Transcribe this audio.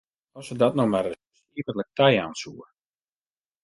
As se dat no mar ris iepentlik tajaan soe!